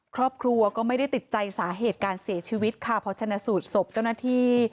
ครอบครัวก็ไม่ได้ติดใจสาเหตุการเสียชีวิตค่ะพอชนะสูตรศพเจ้าหน้าที่